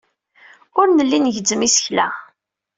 Ur nelli ngezzem isekla.